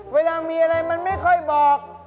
เวลามีอะไรมันไม่ค่อยบอก